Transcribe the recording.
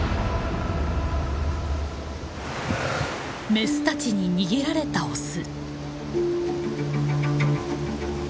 メスたちに逃げられたオス。